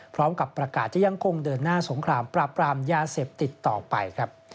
พร้อมกับประกาศที่ยังคงเดินหน้าสงครามปราบปรามยาเสพติดต่อไป